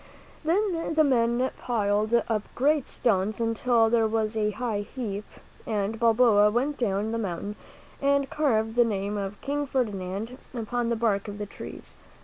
Then the men piled up great stones until there was a high heap, and Balboa went down the mountain and carved the name of King Ferdinand upon the bark of the trees.